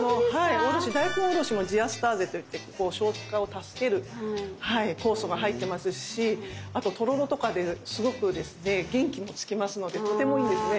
大根おろしもジアスターゼといって消化を助ける酵素が入ってますしあととろろとかですごく元気もつきますのでとてもいいんですね。